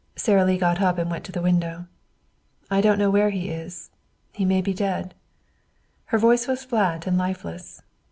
Sara Lee got up and went to the window. "I don't know where he is. He may be dead." Her voice was flat and lifeless.